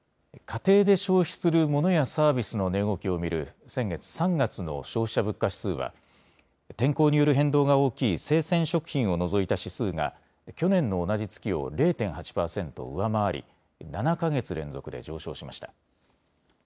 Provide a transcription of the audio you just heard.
家庭で消費するモノやサービスの値動きを見る先月３月の消費者物価指数は天候による変動が大きい生鮮食品を除いた指数が去年の同じ月を０．８％上回り７か月連続で上昇しました。